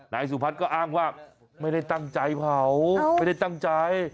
นายสุพัฒน์ก็อ้างว่าไม่ได้ตั้งใจเผาไม่ได้ตั้งใจ